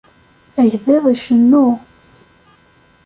Agḍiḍ icennu